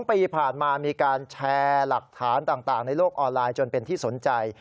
ปีที่ผ่านมามีการแชร์หลักฐานต่างในโลกออนไลน์จนเป็นที่สนใจ